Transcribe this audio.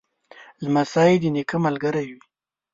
لمسی د نیکه ملګری وي.